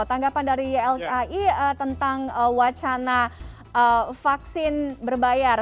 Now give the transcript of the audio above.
tanggapan dari ylki tentang wacana vaksin berbayar